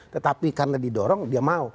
tetapi karena di dorong dia mau